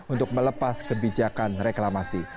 untuk melepas kebijakan reklamasi